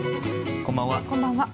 こんばんは。